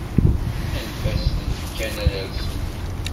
Anef-sent kan ad rsent.